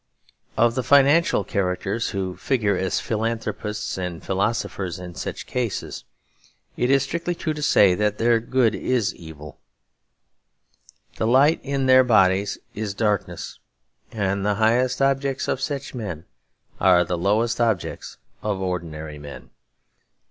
Of the financial characters who figure as philanthropists and philosophers in such cases, it is strictly true to say that their good is evil. The light in their bodies is darkness, and the highest objects of such men are the lowest objects of ordinary men.